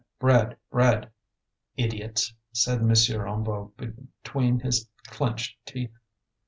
bread! bread!" "Idiots!" said M. Hennebeau between his clenched teeth.